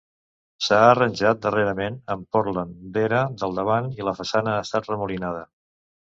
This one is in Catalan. S'ha arranjat darrerament amb pòrtland d'era del davant i la façana ha estat remolinada.